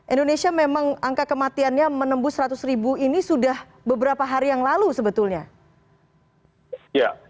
indonesia memang angka kematiannya menembus seratus ribu ini sudah beberapa hari yang lalu sebetulnya